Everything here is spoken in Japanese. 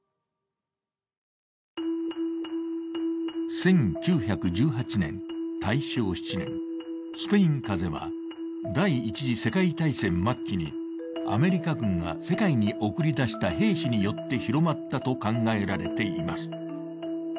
１９１８年、大正７年、スペイン風邪は第１次世界大戦末期にアメリカ軍が世界に送り出した兵士によって広まったと考えられています。